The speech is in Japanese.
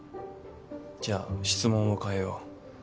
じゃあ質問を変えよう。